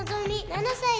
７歳。